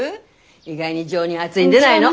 意外に情にあづいんでないの？